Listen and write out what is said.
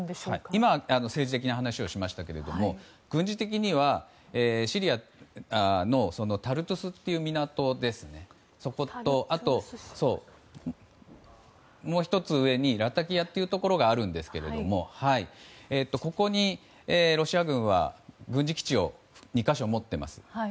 今、政治的な話をしましたが軍事的には、シリアのタルトゥースという港ともう１つ上にラタキアというところがあるんですけどもここにロシア軍は軍事基地を２か所持っています。